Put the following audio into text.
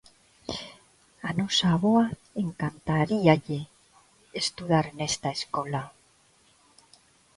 Á nosa avoa encantaríalle estudar nesta escola...